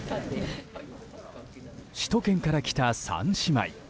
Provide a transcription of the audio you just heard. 首都圏から来た３姉妹。